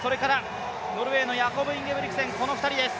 ノルウェーのヤコブ・インゲブリクセン、この２人です。